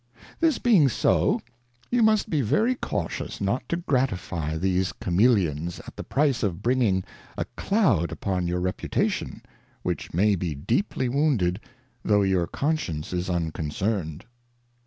This being so, you must be veiy cautious not to gratifie these Cameleons at the price of bringing a Cloud upon your Reputation, which may be deeply wounded, tho your Conscience is unconcerned.